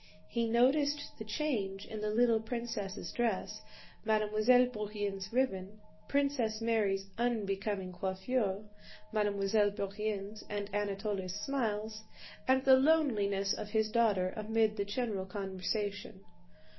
He noticed the change in the little princess' dress, Mademoiselle Bourienne's ribbon, Princess Mary's unbecoming coiffure, Mademoiselle Bourienne's and Anatole's smiles, and the loneliness of his daughter amid the general conversation.